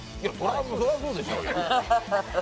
そりゃそうでしょうよ。